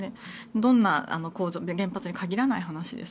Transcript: どんな原発に限らない話です。